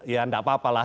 ya tidak apa apalah